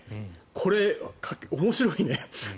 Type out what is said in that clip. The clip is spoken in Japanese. これ、面白いね！